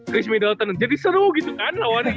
chris middleton jadi seru gitu kan